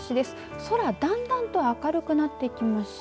空がだんだんと明るくなってきました。